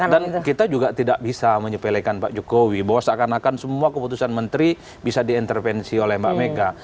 dan kita juga tidak bisa menyepelekan pak jokowi bahwa seakan akan semua keputusan menteri bisa diintervensi oleh mbak mega